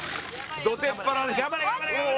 土手っ腹に。